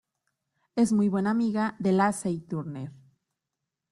Es muy buena amiga de Lacey Turner.